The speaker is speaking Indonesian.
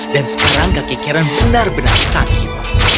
dan sekarang kaki karen benar benar sakit